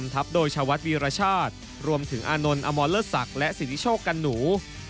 ทัพโดยชาวัดวีรชาติรวมถึงอานนท์อมรเลิศศักดิ์และสิทธิโชคกันหนู